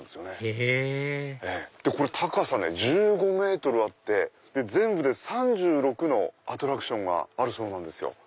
へぇ高さ１５ｍあって全部で３６のアトラクションがあるそうなんですよ。